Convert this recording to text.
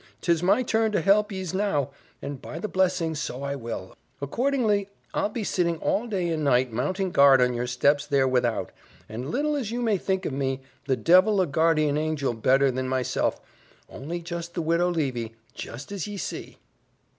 'Tis my turn to help yees now, and, by the blessing, so I will accordingly I'll be sitting all day and night, mounting guard on your steps there without. And little as you may think of me, the devil a guardian angel better than myself, only just the Widow Levy, such as ye see!"